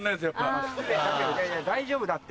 大丈夫だって。